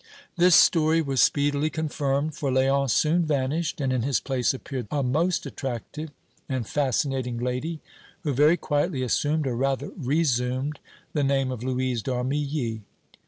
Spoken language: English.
This story was speedily confirmed, for Léon soon vanished and in his place appeared a most attractive and fascinating lady, who very quietly assumed, or rather resumed, the name of Louise d'Armilly.